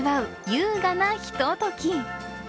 夕方なひととき。